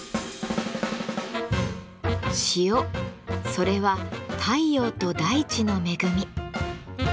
それは太陽と大地の恵み。